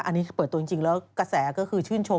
อันนี้กรระแสก็คือชื่นชม